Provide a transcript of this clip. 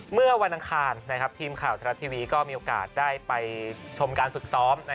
เมื่อวันอังคารทีมข่าวทรัฐทีวีก็มีโอกาสได้ไปชมการฝึกซ้อม